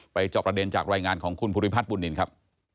จอบประเด็นจากรายงานของคุณภูริพัฒนบุญนินครับ